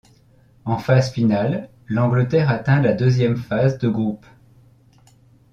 En phase finale, l'Angleterre atteint la deuxième phase de groupes.